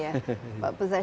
jadi bukan mobil itu saja ya